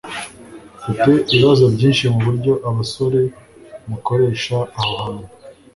Mfite ibibazo byinshi muburyo abasore mukoresha aha hantu.